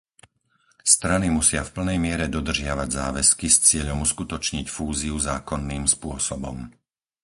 Strany musia v plnej miere dodržiavať záväzky s cieľom uskutočniť fúziu zákonným spôsobom.